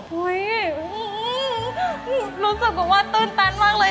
รู้สึกบอกว่าตื่นตันมากเลย